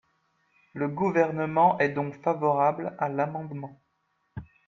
Le Gouvernement est donc favorable à l’amendement.